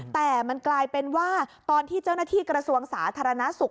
แต่มันกลายเป็นว่าตอนที่เจ้าหน้าที่กระทรวงสาธารณสุข